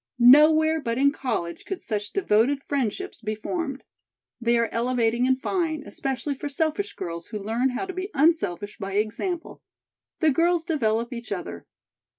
Nowhere but in college could such devoted friendships be formed. They are elevating and fine, especially for selfish girls, who learn how to be unselfish by example. The girls develop each other.